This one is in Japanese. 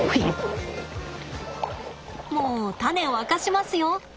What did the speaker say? もうタネを明かしますよ！